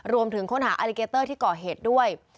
รวมถึงค้นหาอลิเกเตอร์ที่ก่อเหตุด้วย